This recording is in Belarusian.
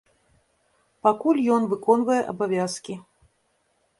Пакуль ён выконвае абавязкі.